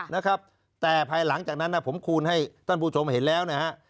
นะครับแต่ภายหลังจากนั้นผมคูณให้ท่านผู้ชมเห็นแล้วนะฮะ